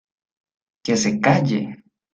¡ que se calle!